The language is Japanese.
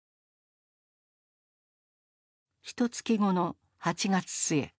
ひとつき後の８月末。